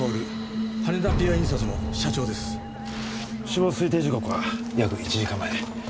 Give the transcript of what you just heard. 死亡推定時刻は約１時間前。